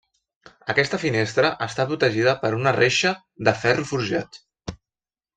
Aquesta finestra està protegida per una reixa de ferro forjat.